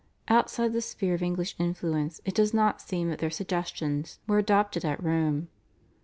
Outside the sphere of English influence it does not seem that their suggestions were adopted at Rome.